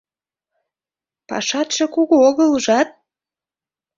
— Пашатше кугу огыл, ужат?